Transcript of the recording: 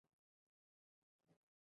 غوږونه د ښو خبرو ارزښت پېژني